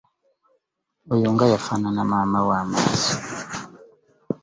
Oyo nga yafanana maama we amaaso.